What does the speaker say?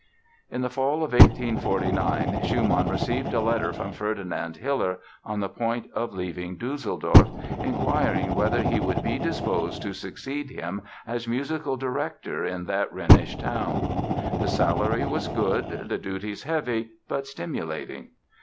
In the fall of 1849 Schumann received a letter from Ferdinand Hiller, on the point of leaving Düsseldorf, inquiring whether he would be disposed to succeed him as Musical Director in that Rhenish town. The salary was good, the duties heavy but stimulating.